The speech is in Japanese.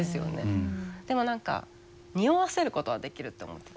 でも何かにおわせることはできると思ってて。